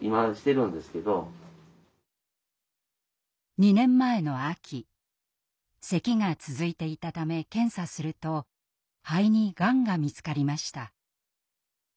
２年前の秋せきが続いていたため検査すると肺にがんが見つかりました。